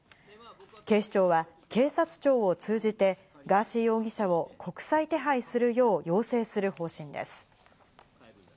警視庁は警察庁を通じてガーシー容疑者を国際手配するよう、要請する方針です。